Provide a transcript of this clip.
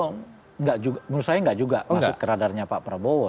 menurut saya nggak juga masuk ke radarnya pak prabowo